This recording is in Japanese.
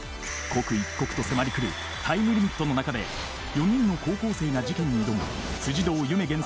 刻一刻と迫り来るタイムリミットの中で４人の高校生が事件に挑む辻堂ゆめ